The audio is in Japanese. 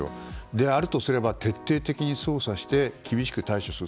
であるとすれば徹底的に捜査して厳しく対処する。